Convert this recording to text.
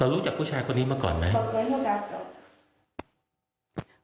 แต่รู้จักผู้ชายคนนี้เมื่อก่อนไหม